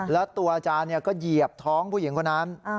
แล้วตัวอาจารย์ก็เหยียบท้องผู้หญิงคนนั้น